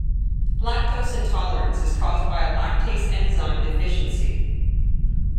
Lactose intolerance is caused by a lactase enzyme deficiency.